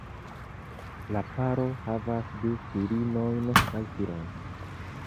La paro havas du filinojn kaj filon.